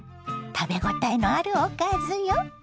食べ応えのあるおかずよ。